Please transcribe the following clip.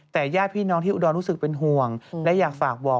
แต่ญาติพี่น้องที่อุดรรู้สึกเป็นห่วงและอยากฝากบอก